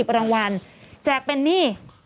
๑๐รางวัลแจกเป็นนี่